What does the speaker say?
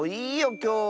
きょうは。